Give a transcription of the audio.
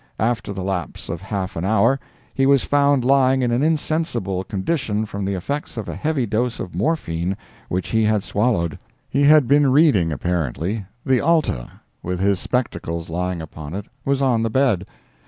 After the lapse of half an hour, he was found lying in an insensible condition from the effects of a heavy dose of morphine, which he had swallowed. He had been reading, apparently; the Alta, with his spectacles: lying upon it, was on the bed.